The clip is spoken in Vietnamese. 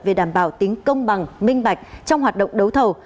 về đảm bảo tính công bằng minh bạch trong hoạt động đấu thầu